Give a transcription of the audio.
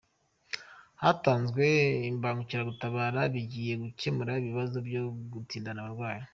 Hatanzwe imbangukiragutabara bigiye gukemura ikibazo cyo gutindana abarwayi